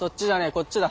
こっちだ。